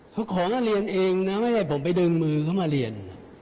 เขาขอก็เรียนเองนะไม่ใช่ผมไปดึงมือเขามาเรียน